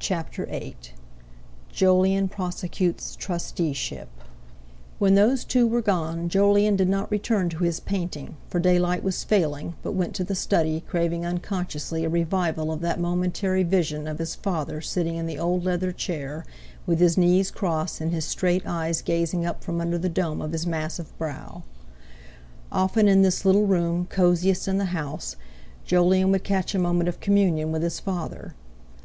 CHAPTER VIII JOLYON PROSECUTES TRUSTEESHIP When those two were gone Jolyon did not return to his painting, for daylight was failing, but went to the study, craving unconsciously a revival of that momentary vision of his father sitting in the old leather chair with his knees crossed and his straight eyes gazing up from under the dome of his massive brow. Often in this little room, cosiest in the house, Jolyon would catch a moment of communion with his father.